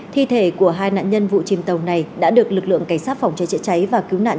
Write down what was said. thi thể của hai nạn nhân vụ chìm tàu này đã được lực lượng cảnh sát phòng cháy chữa cháy và cứu nạn